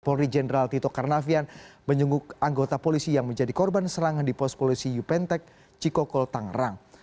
polri jenderal tito karnavian menjenguk anggota polisi yang menjadi korban serangan di pos polisi yupentek cikokol tangerang